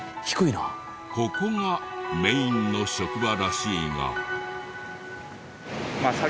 ここがメインの職場らしいが。